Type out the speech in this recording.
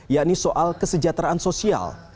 yakni soal kesejahteraan sosial